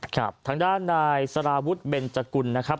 ครับทางด้านนายสรวจเบนจกุลนะครับ